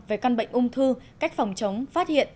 về căn bệnh ung thư cách phòng chống phát hiện